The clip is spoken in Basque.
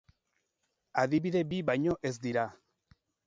Adibide bi baino ez dira.